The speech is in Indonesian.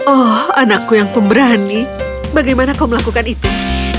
oh anakku yang pemberani bagaimana kau melakukan itu